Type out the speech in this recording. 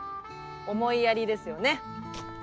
思いやりですよね。